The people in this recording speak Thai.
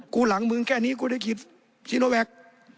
หลังมึงแค่นี้กูได้ฉีดซีโนแวค